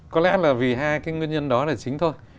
có lẽ là vì hai cái nguyên nhân đó là chính thôi